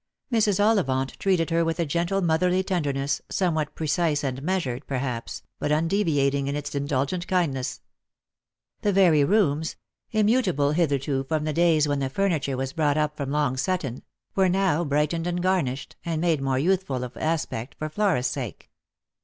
Mrs. Ollivant treated her with a gentle motherly tenderness, somewhat pre cise and measured, perhaps, but undeviating in its indulgent kindness. The very rooms — immutable hitherto from the days when the furniture was brought up from Long Sutton — were now brightened and garnished, and made more youthful of aspect, for Flora's sake.